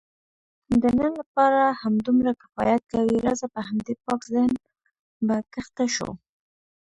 د نن لپاره همدومره کفایت کوي، راځه په همدې پاک ذهن به کښته شو.